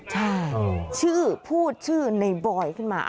ใช่ชื่อพูดชื่อในบอยขึ้นมา